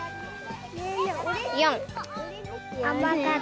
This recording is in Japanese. ４。